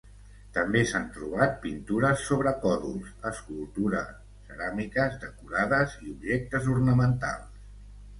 També s'han trobat pintures sobre còdols, escultura, ceràmiques decorades i objectes ornamentals.